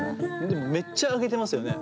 でもめっちゃ上げてますよね。